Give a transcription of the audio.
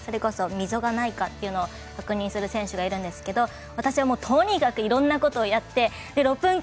氷のやわらかさだったりそれこそ溝がないかというのを確認する選手がいるんですけど、私はとにかくいろんなことをやって。